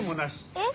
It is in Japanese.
えっ？